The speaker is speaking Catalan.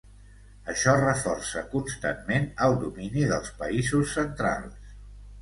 Això reforça constantment el domini dels països centrals.